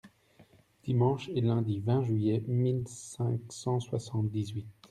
Dimanche et lundi vingt juillet mille cinq cent soixante-dix-huit .